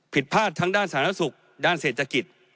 ผิดพลาดทั้งด้านสาธารณสุขด้านเศรษฐกิจ